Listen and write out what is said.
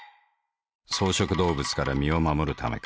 草食動物から身を護るためか。